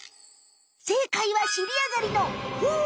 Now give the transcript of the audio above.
正解は尻上がりの「ホゥ？」